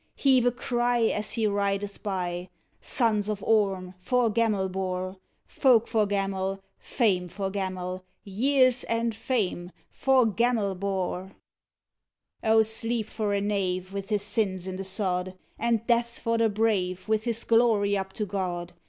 Heave a cry As he rideth by, Sons of Orm, for Gamelbar! Folk for Gamel, Fame for Gamel, Years and fame for Gamelbar! CHORUS: Oh, sleep for a knave With his sins in the sod! And death for the brave, With his glory up to God!